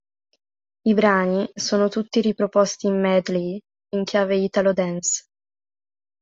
I brani sono tutti riproposti in medley in chiave italo dance.